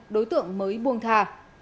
đối tượng mới buông thà